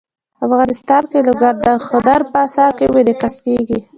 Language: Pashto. افغانستان کې لوگر د هنر په اثار کې منعکس کېږي.